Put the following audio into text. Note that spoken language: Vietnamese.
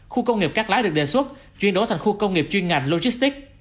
khu công nghiệp cát lái được đề xuất chuyển đổi thành khu công nghiệp chuyên ngành logistics